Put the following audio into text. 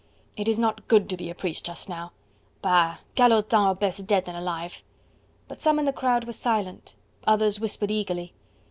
"It is not good to be a priest just now!" "Bah! calotins are best dead than alive." But some in the crowd were silent, others whispered eagerly.